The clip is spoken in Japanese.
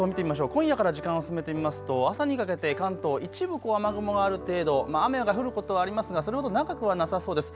今夜から時間を進めてみますと朝にかけて関東一部、この雨雲がある程度、雨が降ることはありますがそれほど長くはなさそうです。